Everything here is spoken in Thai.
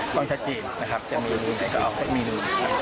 ต้องชัดเจนนะครับเนี่ยจะมีเมนูไหนก็เอาเมนู